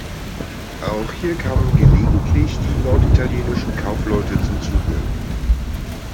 Auch hier kamen gelegentlich die norditalienischen Kaufleute zum Zuge.